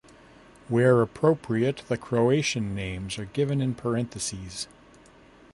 Where appropriate, the Croatian names are given in parentheses.